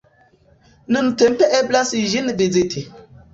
Nuntempe eblas ĝin viziti.